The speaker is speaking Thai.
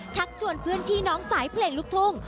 ชักชวนเพื่อนพี่น้องสายเพลงลูกทุ่ง